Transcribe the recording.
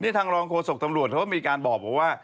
ทางรองโฆษกตำรวจเขาก็มีการบอกว่า